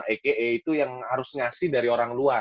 eke itu yang harus ngasih dari orang luar